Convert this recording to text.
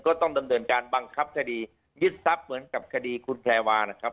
ก็ต้องดำเนินการบังคับคดียึดทรัพย์เหมือนกับคดีคุณแพรวานะครับ